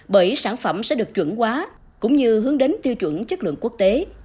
bởi sản phẩm sẽ được chuẩn quá cũng như hướng đến tiêu chuẩn chất lượng quốc tế